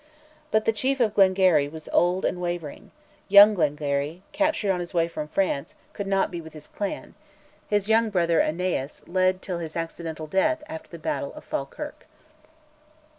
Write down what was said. But the chief of Glengarry was old and wavering; young Glengarry, captured on his way from France, could not be with his clan; his young brother AEneas led till his accidental death after the battle of Falkirk.